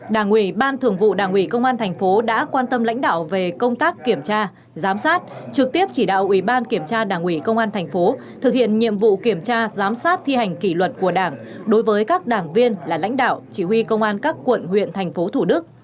đảng ủy ban thường vụ đảng ủy công an thành phố đã quan tâm lãnh đạo về công tác kiểm tra giám sát trực tiếp chỉ đạo ủy ban kiểm tra đảng ủy công an thành phố thực hiện nhiệm vụ kiểm tra giám sát thi hành kỷ luật của đảng đối với các đảng viên là lãnh đạo chỉ huy công an các quận huyện thành phố thủ đức